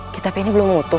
kitab ini belum utuh